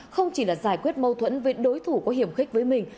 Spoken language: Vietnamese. không chỉ là giải quyết mâu thuẫn với đối thủ có hiểm khích với mình